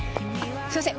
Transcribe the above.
すいません。